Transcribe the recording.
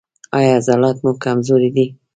ایا عضلات مو کمزوري دي؟